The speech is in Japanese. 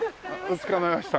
つかめました。